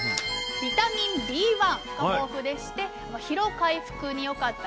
ビタミンＢが豊富でして疲労回復に良かったりですね